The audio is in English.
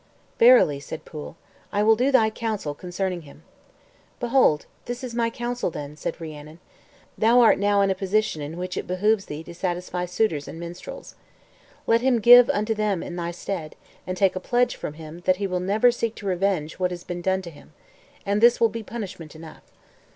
"Verily," said Pwyll, "I will do thy counsel concerning him." "Behold, this is my counsel then," said Rhiannon. "Thou art now in a position in which it behooves thee to satisfy suitors and minstrels. Let him give unto them in thy stead, and take a pledge from him that he will never seek to revenge that which has been done to him. And this will be punishment enough."